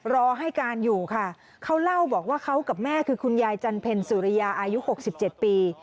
รอให้การอยู่ค่ะเขาเล่าบอกว่าเขากับแม่คือคุณยายจันเพ็ญสุริยาอายุ๖๗ปี